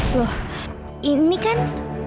loh ini kan